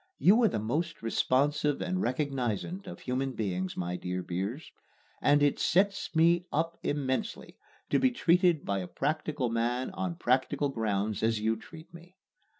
You are the most responsive and recognizant of human beings, my dear Beers, and it "sets me up immensely" to be treated by a practical man on practical grounds as you treat me.